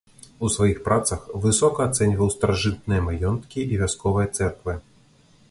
У сваіх працах высока ацэньваў старажытныя маёнткі і вясковыя цэрквы.